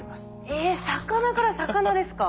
え魚から魚ですか。